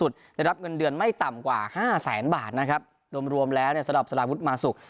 ได้รับเงินเดือนไม่ต่ำกว่า๕๐๐๐๐๐บาทรวมแล้วสำหรับสลาวุฒิมาสุก